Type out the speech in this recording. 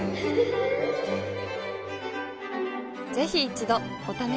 ぜひ一度お試しを。